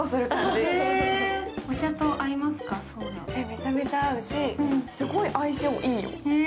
めちゃめちゃ合うし、すごい相性いいよ。